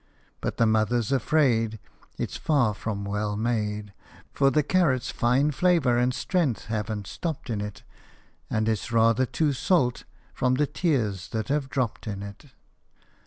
But the mother 's afraid It's far from well made, For the carrot's fine flavour and strength haven't stopt in it, And it 's rather too salt from the tears that have dropt in it.